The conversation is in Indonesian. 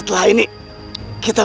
tar pertituhan kita